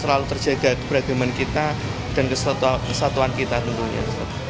selalu terjaga keberagaman kita dan kesatuan kita tentunya